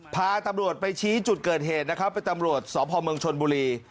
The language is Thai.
พาตำรวจไปชี้จุดเกิดเหตุนะครับเป็นตำรวจสพเมืองชนบุรี